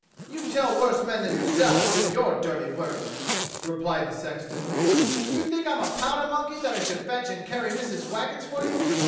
36 DOCTOR SYN "You tell worse men than yourself to do your dirty work," replied the sexton. "Do you think I'm a powder monkey that I should fetch and carry Missus Waggetts for you?